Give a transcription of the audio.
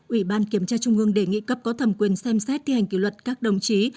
ủy ban kiểm tra trung ương đề nghị cấp có thẩm quyền xem xét thi hành kỷ luật các đồng chí